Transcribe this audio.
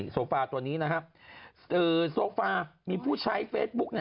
โซฟาตัวนี้นะครับโซฟามีผู้ใช้เฟซบุ๊ก